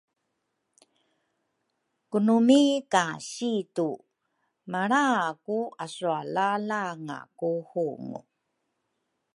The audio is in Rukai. kuumi ka situ malra ku aswalalanga ku hungu.